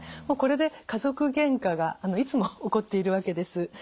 もうこれで家族げんかがいつも起こっているわけです。